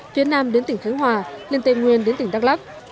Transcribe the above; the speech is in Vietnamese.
phía nam đến tỉnh khánh hòa liên tây nguyên đến tỉnh đắk lắk